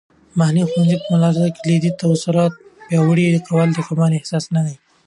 محلي ښوونځیو په ملاتړ د کلیدي تصورات پیاوړي کول د کموالی احساس نه دی.